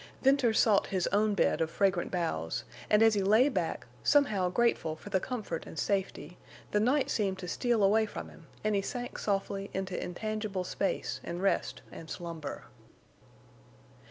Venters sought his own bed of fragrant boughs; and as he lay back, somehow grateful for the comfort and safety, the night seemed to steal away from him and he sank softly into intangible space and rest and slumber.